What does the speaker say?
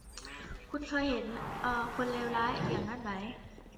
คุณเคยเห็นคนเลวร้ายอย่างนั้นไหม